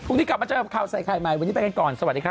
กลับมาเจอกับข่าวใส่ไข่ใหม่วันนี้ไปกันก่อนสวัสดีครับ